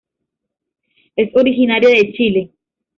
Ess originaria de Chile.